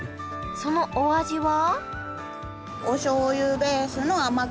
そのお味は？